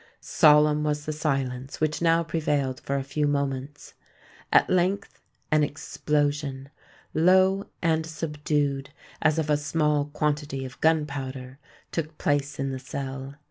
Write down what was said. Solemn was the silence which now prevailed for a few moments: at length an explosion—low and subdued, as of a small quantity of gunpowder—took place in the cell.